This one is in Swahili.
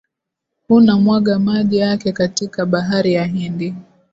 hunamwaga maji yake katika bahari ya Hindi